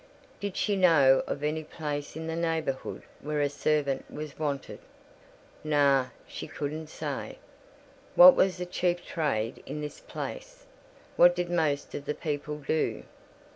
"Did she know of any place in the neighbourhood where a servant was wanted?" "Nay; she couldn't say." "What was the chief trade in this place? What did most of the people do?"